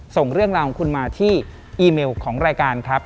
ส่งเรื่องราวของคุณมาที่อีเมลของรายการครับ